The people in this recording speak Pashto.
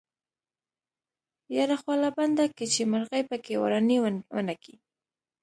يره خوله بنده که چې مرغۍ پکې ورانی ونکي.